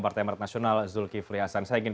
partai amarat nasional zulkifli hasan saya ingin